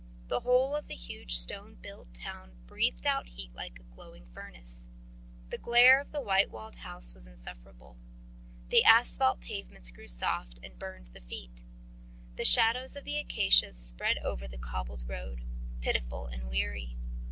The whole of the huge stone built town breathed out heat like a glowing furnace. The glare of the white walled house was insufferable. The asphalt pavements grew soft and burned the feet. The shadows of the acacias spread over the cobbled road, pitiful and weary.